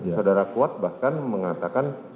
saudara kuat bahkan mengatakan